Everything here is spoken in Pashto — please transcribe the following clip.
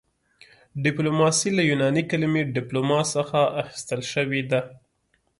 ډیپلوماسي له یوناني کلمې ډیپلوما څخه اخیستل شوې ده